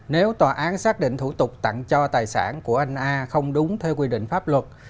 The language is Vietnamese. nếu tòa án xác định thủ tục tặng cho tài sản của anh a không đúng theo quy định pháp luật